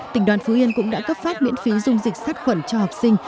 tỉnh đoàn phú yên cũng đã cấp phát miễn phí dung dịch sát khuẩn cho học sinh